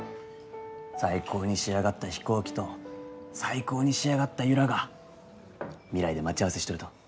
最高に仕上がった飛行機と最高に仕上がった由良が未来で待ち合わせしとると。